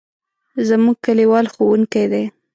زموږ کلیوال ښوونکی دی.